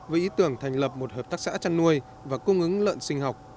với ý tưởng thành lập một hợp tác xã chăn nuôi và cung ứng lợn sinh học